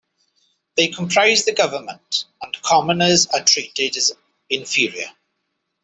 They comprise the government, and commoners are treated as inferior.